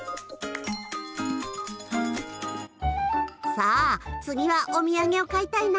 さあ次はお土産を買いたいな。